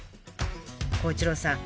孝一郎さん